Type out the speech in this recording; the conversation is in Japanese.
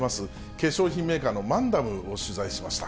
化粧品メーカーのマンダムを取材しました。